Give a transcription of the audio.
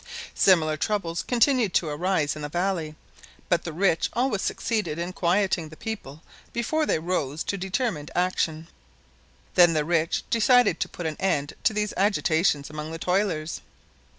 Similar troubles continued to arise in the valley, but the rich always succeeded in quieting the people before they rose to determined action. Then the rich decided to put an end to these agitations among the toilers.